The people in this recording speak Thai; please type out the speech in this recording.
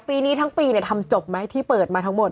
ปีนี้ทั้งปีทำจบไหมที่เปิดมาทั้งหมด